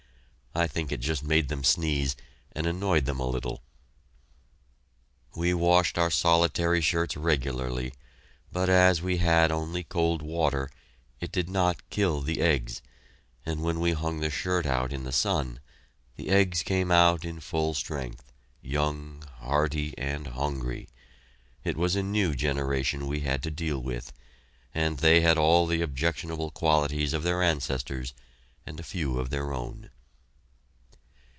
I think it just made them sneeze, and annoyed them a little. We washed our solitary shirts regularly, but as we had only cold water, it did not kill the eggs, and when we hung the shirt out in the sun, the eggs came out in full strength, young, hearty, and hungry. It was a new generation we had to deal with, and they had all the objectionable qualities of their ancestors, and a few of their own.